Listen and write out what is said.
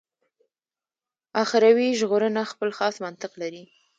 اخروي ژغورنه خپل خاص منطق لري.